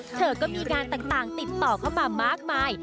เธอก็มีงานต่างติดต่อเข้ามามากมาย